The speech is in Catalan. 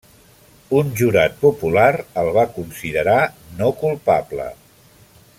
Un jurat popular el va considerar no culpable.